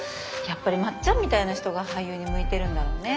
やっぱりまっちゃんみたいな人が俳優に向いてるんだろうね。